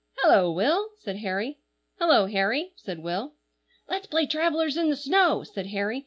"Hullo, Will!" said Harry. "Hullo, Harry!" said Will. "Let's play travellers in the snow!" said Harry.